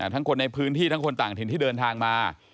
ทั้งคนในพื้นที่ทั้งคนต่างถิ่นที่เดินทางมา